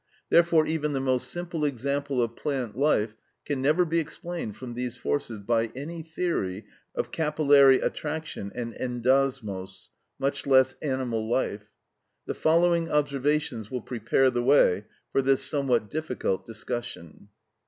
Therefore even the most simple example of plant life can never be explained from these forces by any theory of capillary attraction and endosmose, much less animal life. The following observations will prepare the way for this somewhat difficult discussion.